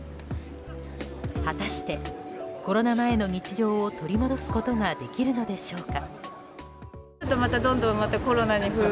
果たして、コロナ前の日常を取り戻すことができるのでしょうか。